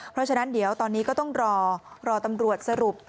เพราะฉะนั้นเดี๋ยวตอนนี้ก็ต้องรอรอตำรวจสรุป